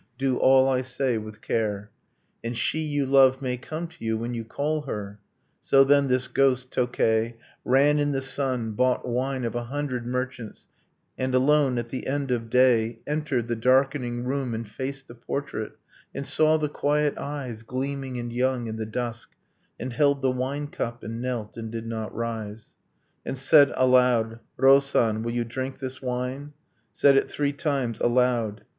. Do all I say with care, And she you love may come to you when you call her ...' So then this ghost, Tokkei, Ran in the sun, bought wine of a hundred merchants, And alone at the end of day Entered the darkening room, and faced the portrait, And saw the quiet eyes Gleaming and young in the dusk, and held the wine cup, And knelt, and did not rise, And said, aloud, 'Lo san, will you drink this wine?' Said it three times aloud.